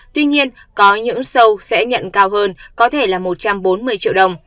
tuy nhiên có những show sẽ nhận cao hơn có thể là một trăm bốn mươi triệu đồng